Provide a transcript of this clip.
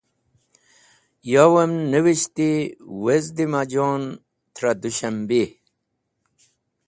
Yowem nivishti wezdim a jon trẽ Dushambeh.